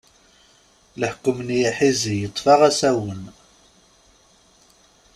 Leḥkem n yiḥizi yeṭṭef-aɣ asawen.